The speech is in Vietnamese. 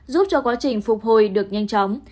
giúp cho quá trình phục hồi được nhanh chóng